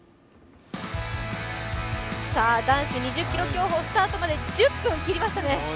男子２０ｋｍ競歩、スタートまで１０分切りましたね。